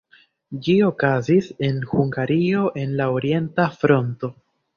Ĝi okazis en Hungario en la Orienta Fronto.